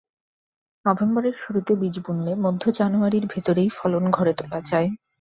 নভেম্বরের শুরুতে বীজ বুনলে মধ্য জানুয়ারির ভেতরেই ফলন ঘরে তোলা যায়।